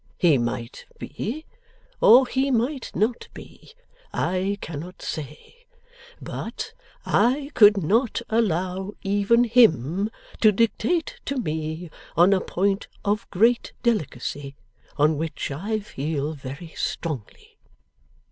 He might be, or he might not be. I cannot say. But, I could not allow even him to dictate to me on a point of great delicacy, on which I feel very strongly.